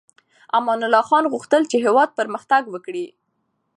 امان الله خان غوښتل چې هېواد پرمختګ وکړي.